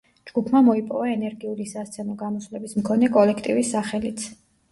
ჯგუფმა მოიპოვა ენერგიული სასცენო გამოსვლების მქონე კოლექტივის სახელიც.